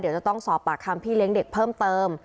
เดี๋ยวจะต้องสอบปากคำพี่เลี้ยงเด็กเพิ่มเติม